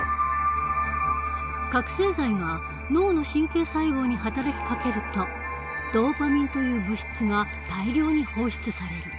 覚醒剤が脳の神経細胞に働きかけるとドーパミンという物質が大量に放出される。